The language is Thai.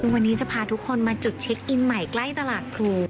วันนี้จะพาทุกคนมาจุดเช็คอินใหม่ใกล้ตลาดพลู